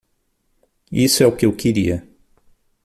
Isso é o que eu queria.